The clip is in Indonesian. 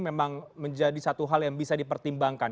memang menjadi satu hal yang bisa dipertimbangkan